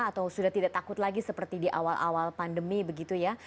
atau sudah tidak takut lagi seperti di awal awal pandemi begitu ya